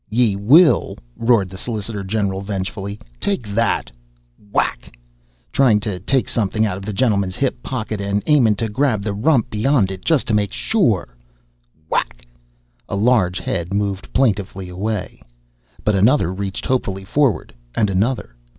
"Ye will?" roared the solicitor general, vengefully. "Take that!" Whack! "Tryin' to take somethin' out of the gentleman's hip pocket an' aimin' to grab the rump beyond it just to make sure!" Whack! A large head moved plaintively away. But another reached hopefully forward, and another.